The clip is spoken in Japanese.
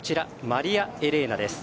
マリアエレーナです。